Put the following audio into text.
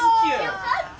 よかった！